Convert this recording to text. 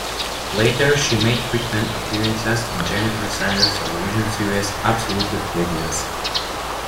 Later she made frequent appearances in Jennifer Saunders' television series "Absolutely Fabulous".